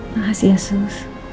makasih ya sus